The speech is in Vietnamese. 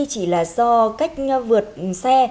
chỉ là do cách vượt xe